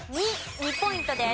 ２ポイントです。